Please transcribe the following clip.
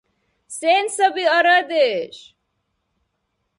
Сен саби арадеш?